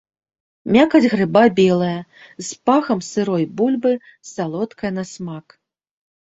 Мякаць грыба белая, з пахам сырой бульбы, салодкая на смак.